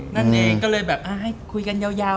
นั่นเองก็เลยแบบให้คุยกันยาว